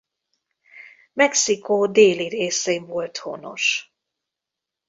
Mexikó déli részén volt honos.